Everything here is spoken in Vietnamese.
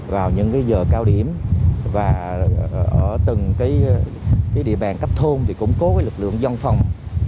vào những giờ cao điểm và ở từng địa bàn cấp thôn thì củng cố lực lượng dân phòng